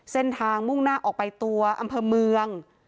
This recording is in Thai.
เส้นทางมุ่งหน้าออกไปตัวอำเภอเมือง